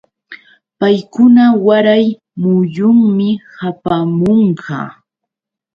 Paykuna waray muyunmi hapaamunqa.